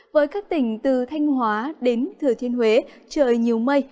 với các tỉnh từ thanh hóa đến thừa thiên huế trời nhiều mây